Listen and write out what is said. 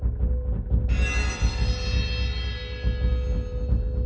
tidak mau dimebel kitu